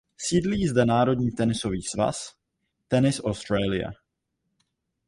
Sídlí zde národní tenisový svaz Tennis Australia.